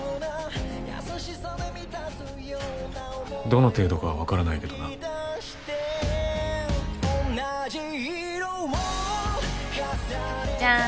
どの程度かは分からないけどな。じゃん！